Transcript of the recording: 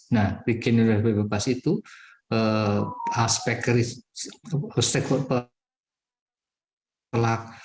nah rekening bebas itu aspek